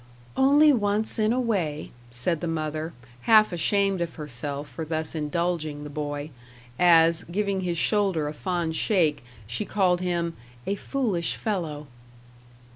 "Only once in a way," said the mother, half ashamed of herself for thus indulging the boy as, giving his shoulder a fond shake, she called him "a foolish fellow."